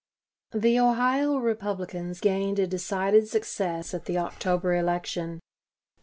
The Ohio Republicans gained a decided success at the October election.